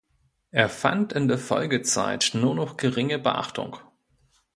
Er fand in der Folgezeit nur noch geringe Beachtung.